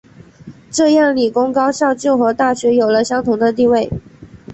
这样理工高校就和大学有了相同的地位。